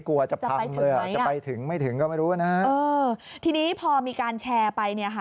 กลัวจะพังเลยอ่ะจะไปถึงไม่ถึงก็ไม่รู้นะฮะเออทีนี้พอมีการแชร์ไปเนี่ยค่ะ